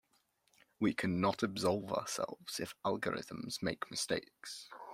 We cannot absolve ourselves if algorithms make mistakes.